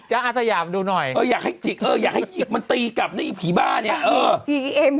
หยิกจ๊ะอาซียามหน่อย